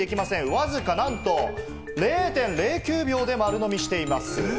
わずか何と０．０９秒で丸のみしています。